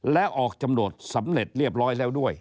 และออกจำหนวดสำเร็จเรียบร้อยแล้วด้วย